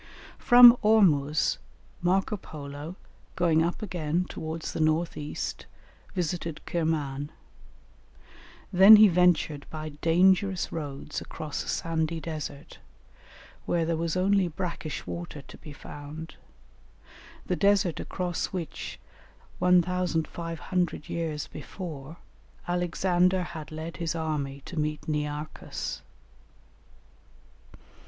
From Ormuz, Marco Polo, going up again towards the north east, visited Kirman; then he ventured by dangerous roads across a sandy desert, where there was only brackish water to be found, the desert across which, 1500 years before, Alexander had led his army to meet Nearchus.